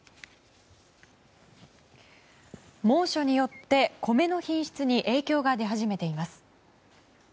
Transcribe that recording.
猛暑によって米の品質に影響が出始めています。